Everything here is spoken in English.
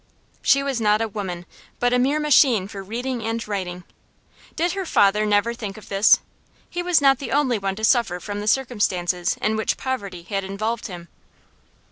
She was not a woman, but a mere machine for reading and writing. Did her father never think of this? He was not the only one to suffer from the circumstances in which poverty had involved him.